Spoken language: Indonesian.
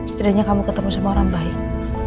setidaknya kamu ketemu sama orang baik